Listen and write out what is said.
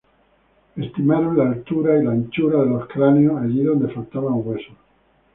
Estimaron la altura y la anchura de los cráneos allí donde faltaban huesos.